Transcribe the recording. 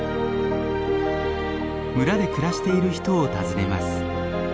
村で暮らしている人を訪ねます。